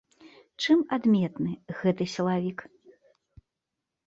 Чым адметны гэты сілавік?